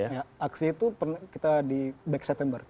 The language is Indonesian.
aksi itu kita di back september